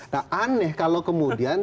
nah aneh kalau kemudian